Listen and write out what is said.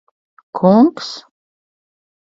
Kungs?